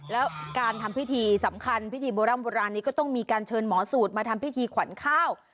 แล้วการทำพิธีสำคัญพิธีโบร่ำโบราณนี้ก็ต้องมีการเชิญหมอสูตรมาทำพิธีขวัญข้าว